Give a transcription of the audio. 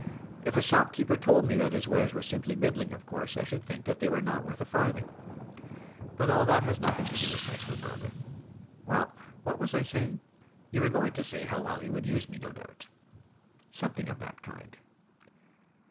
If a shopkeeper told me that his wares were simply middling, of course, I should think that they were not worth a farthing. But all that has nothing to do with my poor brother. Well, what was I saying?" "You were going to tell me how well he would use me, no doubt." "Something of that kind."